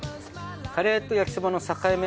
カレーと焼きそばの境目